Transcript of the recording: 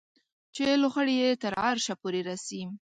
چې لوخړې یې تر عرشه پورې رسي